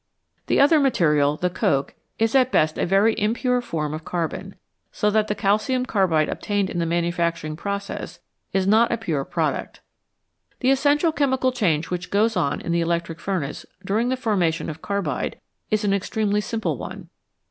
The other material, the coke, is at best a very impure form of carbon, so that the calcium carbide obtained in the manufacturing process is not a pure product. The essential chemical change which goes on in the electric furnace during the formation of carbide is an extremely simple one.